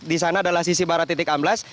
di sana adalah sisi barat titik amblas